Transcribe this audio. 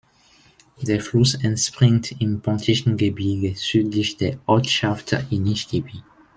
Der Fluss entspringt im Pontischen Gebirge südlich der Ortschaft İnişdibi.